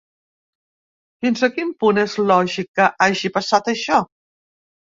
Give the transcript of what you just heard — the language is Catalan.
Fins a quin punt és lògic que hagi passat això?